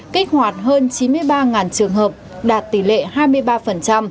kích hoạt hơn chín mươi ba trường hợp đạt tỷ lệ hai mươi ba